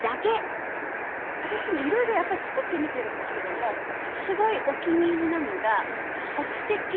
私ね色々やっぱり作ってみてるんですけどもすごいお気に入りなのが。